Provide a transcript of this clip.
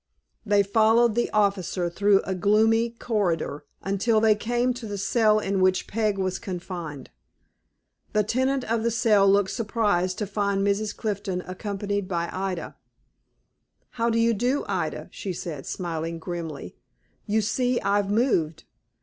They followed the officer through a gloomy corridor, until they came to the cell in which Peg was confined. The tenant of the cell looked surprised to find Mrs. Clifton accompanied by Ida. "How do you do, Ida?" she said, smiling grimly; "you see I've moved.